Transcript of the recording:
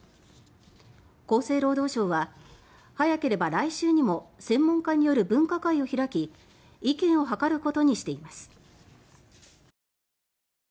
厚生労働省は早ければ来週にも専門家による分科会を開き意見を諮ることにしています。